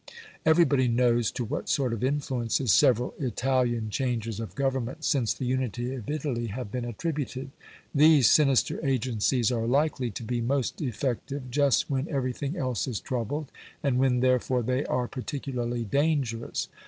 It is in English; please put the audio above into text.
Everybody knows to what sort of influences several Italian changes of Government since the unity of Italy have been attributed. These sinister agencies are likely to be most effective just when everything else is troubled, and when, therefore, they are particularly dangerous.